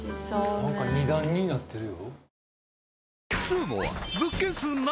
何か２段になってるよ。